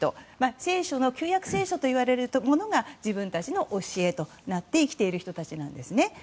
聖書の旧約聖書といわれるものが自分たちの教えとなって生きている人たちなんです。